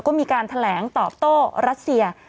ก็มีการแถลงตอบโต้รัสเซีย